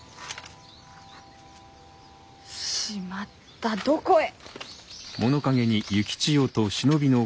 しまったどこへ！